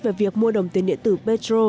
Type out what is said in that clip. về việc mua đồng tiền điện tử petro